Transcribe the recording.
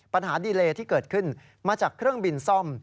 ปัญหาดีเลที่เกิดขึ้นมาจากเครื่องบินซ่อม